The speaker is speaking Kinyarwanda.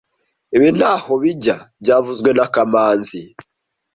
Ibi ntaho bijya byavuzwe na kamanzi